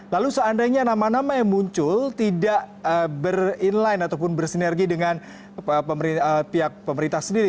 lalu seandainya nama nama yang muncul tidak ber inline ataupun bersinergi dengan pihak pemerintah sendiri